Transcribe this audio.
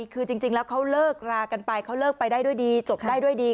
คือจริงแล้วเขาเลิกรากันไปเขาเลิกไปได้ด้วยดีจบได้ด้วยดี